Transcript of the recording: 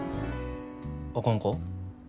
あかんか？